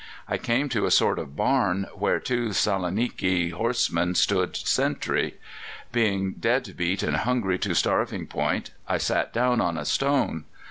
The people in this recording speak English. I came to a sort of barn, where two Saloniki horsemen stood sentry. Being dead beat and hungry to starving point, I sat down on a stone.